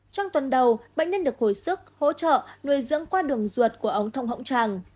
trong tuần đầu bệnh nhân được hồi sức hỗ trợ nuôi dưỡng qua đường ruột của ống thông tràng